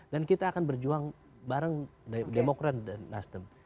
dan kita akan berjuang bareng demokran dan nasdem